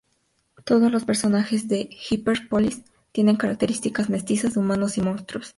Todos los personajes de "Hyper Police" tienen características mestizas de humanos y monstruos.